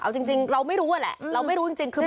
เอาจริงเราไม่รู้อะแหละเราไม่รู้จริงคือ